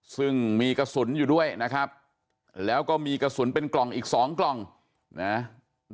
ซึ่งมีกระสุนอยู่ด้วยนะครับแล้วก็มีกระสุนเป็นกล่องอีกสองกล่องนะ